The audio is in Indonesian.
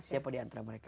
siapa diantara mereka